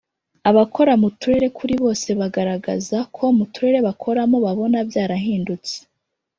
Abakora mu turere kuri bose bagaragaza ko mu turere bakoramo babona byarahindutse